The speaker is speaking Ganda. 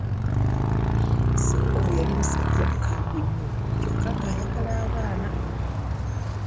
Ssaalongo yali musajja mukambwe nnyo kyokka ng’ayagala abaana.